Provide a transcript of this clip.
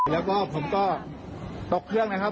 แล้วก็ผมก็ตกเครื่องนะครับ